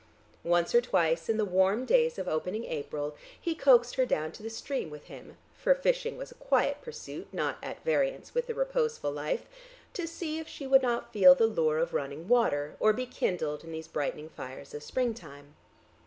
Once or twice, in the warm days of opening April, he coaxed her down to the stream with him (for fishing was a quiet pursuit not at variance with the reposeful life) to see if she would not feel the lure of running water, or be kindled in these brightening fires of springtime.